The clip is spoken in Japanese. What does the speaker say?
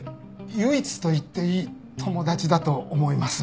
唯一と言っていい友達だと思います。